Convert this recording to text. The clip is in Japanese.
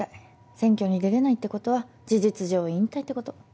選挙に出れないってことは事実上引退ってこと。